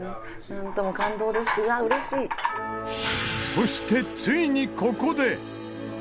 そしてついにここで。